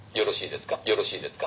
「よろしいですか？